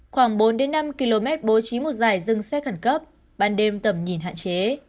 khoảng bốn năm km bố trí một giải dừng xe khẩn cấp ban đêm tầm nhìn hạn chế